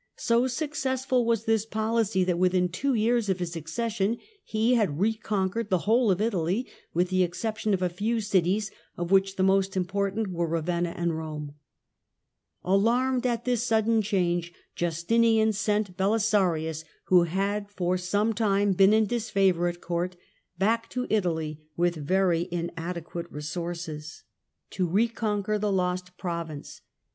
So successful was this policy that within two years of his accession he had reconquered the whole of Italy with the excep tion of a few cities, of which the most important were Eavenna and Rome. Return of Alarmed at this sudden change, Justinian sent Beli Behsarius, sar j us> w h h a( j f or some time been in disfavour at Court, back to Italy, with very inadequate resources,! THE GOTHIC KINGDOM IX ITALY 37 to reconquer the lost province.